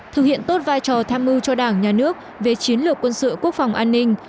thực hiện tốt vai trò tham mưu cho đảng nhà nước về chiến lược quân sự quốc phòng an ninh